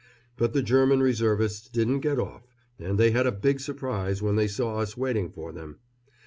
But the German Reservists didn't get off, and they had a big surprise when they saw us waiting for them.